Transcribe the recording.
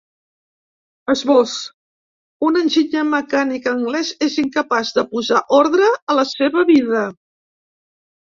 Esbós: Un enginyer mecànic anglès és incapaç de posar ordre a la seva vida.